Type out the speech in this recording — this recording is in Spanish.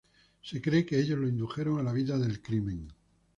Se cree que ellos lo indujeron a la vida del crimen.